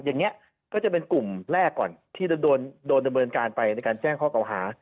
อย่างนี้ก็จะเป็นกลุ่มแรกก่อนที่จะโดนดำเนินการไปในการแจ้งข้อเก่าหา